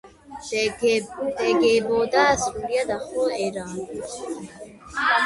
დგებოდა სრულიად ახალი ერა